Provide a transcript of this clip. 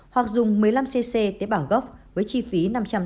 hoặc dùng một mươi năm cc tế bào gốc với chi phí năm trăm tám mươi năm